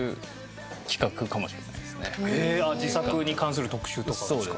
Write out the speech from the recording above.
自作に関する特集とかがですか？